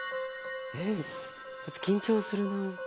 えっちょっと緊張するなあ。